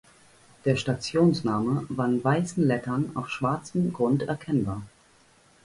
Der Stationsname war in weißen Lettern auf schwarzen Grund erkennbar.